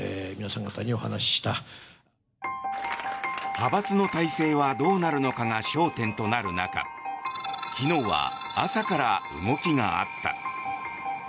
派閥の体制はどうなるのかが焦点となる中昨日は朝から動きがあった。